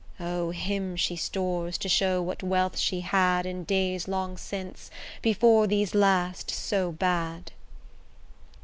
O! him she stores, to show what wealth she had In days long since, before these last so bad.